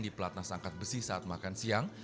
di pelatnas angkat besi saat makan siang